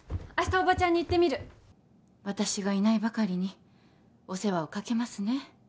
明日おばちゃんに言ってみる私がいないばかりにお世話をかけますね